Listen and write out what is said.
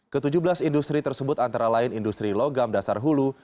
ke tujuh belas industri tersebut antara lain industri logam dasar hulu